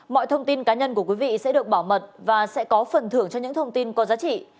mọi thông tin cá nhân của quý vị sẽ được bảo mật và sẽ có phần thưởng cho những thông tin có giá trị